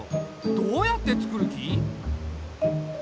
どうやってつくる気？